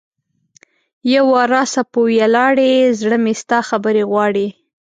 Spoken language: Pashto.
یو وار راسه په ولیاړې ـ زړه مې ستا خبرې غواړي